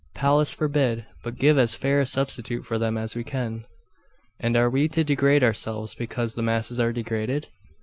'Pallas forbid! but give as fair a substitute for them as we can.' 'And are we to degrade ourselves because the masses are degraded?